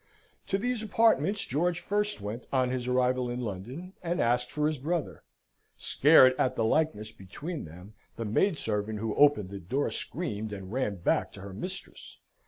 To these apartments George first went on his arrival in London, and asked for his brother. Scared at the likeness between them, the maid servant who opened the door screamed, and ran back to her mistress.